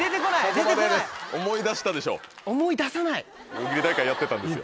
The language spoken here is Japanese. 大喜利大会やってたんですよ。